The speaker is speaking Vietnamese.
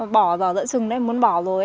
bỏ dở dở chừng đấy muốn bỏ rồi